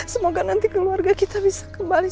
semoga nanti keluarga kita bisa kembali